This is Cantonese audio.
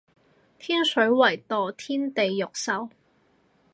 天水圍墮天地獄獸